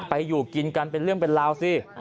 อยู่กินกันเป็นเรื่องเป็นราวสิ